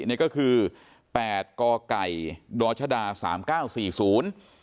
นี่ก็คือแปดกไก่ดรชดาสามเก้าสี่ศูนย์